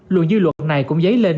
luôn dư luật này cũng dấy lên